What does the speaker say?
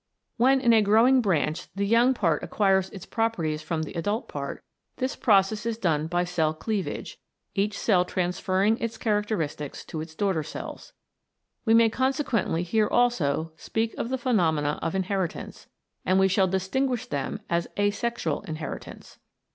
When in a growing branch the young part acquires its properties from the adult part, this process is done by cell cleavage, each cell transferring its characteristics to its daughter cells. We may consequently here also speak of phenomena of inheritance, and we shall distinguish them as Asexual Inheritance.